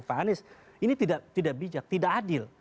pak anies ini tidak bijak tidak adil